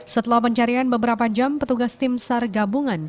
setelah pencarian beberapa jam petugas tim sar gabungan